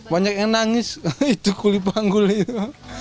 banyak yang nangis itu kuli panggul itu